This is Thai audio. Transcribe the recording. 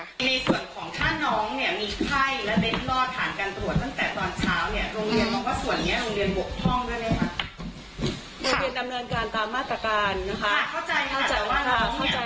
ในส่วนของถ้าน้องเนี่ยมีไพ่และเร็ดรอดฐานการตรวจตั้งแต่ตอนเช้าเนี่ย